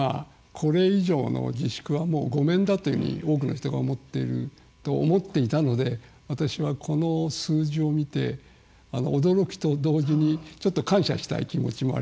これ以上の自粛はもう御免だというふうに多くの人が思っていると思っていたので私はこの数字を見て驚くと同時にちょっと感謝したい気持ちもあります。